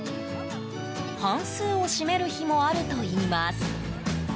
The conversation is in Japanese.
半数を占める日もあるといいます。